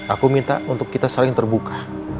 aku minta untuk kita saling terbuka